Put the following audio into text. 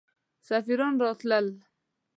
سفیران راتلل.